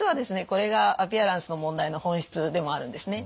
これがアピアランスの問題の本質でもあるんですね。